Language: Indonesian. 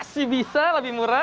masih bisa lebih murah